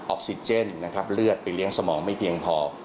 ออกซิเจนนะครับเลือดไปเลี้ยงสมองไม่เพียงพอ